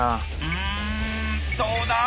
うんどうだ？